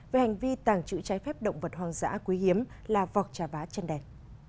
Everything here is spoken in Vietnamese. về hành vi tàng trữ trái phép động vật hoang dã quý hiếm là vọc trà vá chân đèn